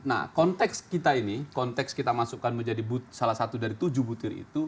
nah konteks kita ini konteks kita masukkan menjadi salah satu dari tujuh butir itu